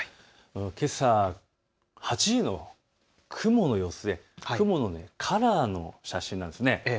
けさ８時の雲の様子で雲のカラーの写真なんです。